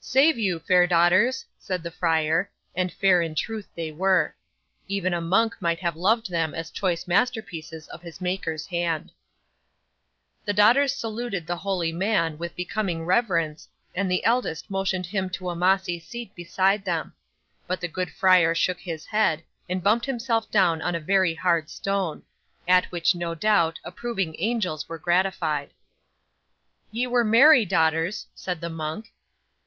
'"Save you, fair daughters!" said the friar; and fair in truth they were. Even a monk might have loved them as choice masterpieces of his Maker's hand. 'The sisters saluted the holy man with becoming reverence, and the eldest motioned him to a mossy seat beside them. But the good friar shook his head, and bumped himself down on a very hard stone, at which, no doubt, approving angels were gratified. '"Ye were merry, daughters," said the monk.